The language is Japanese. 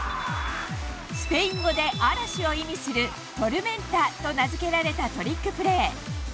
スペイン語で嵐を意味するトルメンタと名づけられたトリックプレー。